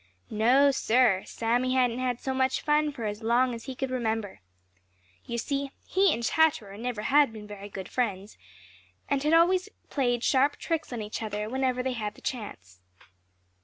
No, Sir, Sammy hadn't had so much fun for as long as he could remember. You see, he and Chatterer never had been very good friends and always had played sharp tricks on each other whenever they had the chance.